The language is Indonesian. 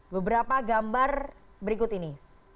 beberapa gambar berikut ini